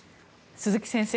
鈴木先生